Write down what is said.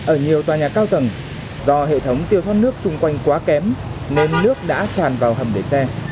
ở nhiều tòa nhà cao tầng do hệ thống tiêu thoát nước xung quanh quá kém nên nước đã tràn vào hầm để xe